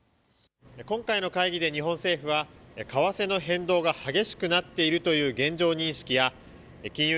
今回の会議で日本政府は為替の変動が激しくなっているという現状認識や金融